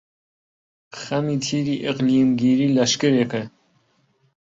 خەمی تیری ئیقلیمگیری لەشکرێکە،